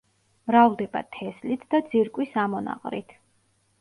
მრავლდება თესლით და ძირკვის ამონაყრით.